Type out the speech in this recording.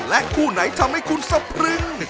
คู่ไหนทำให้คุณสะพรึง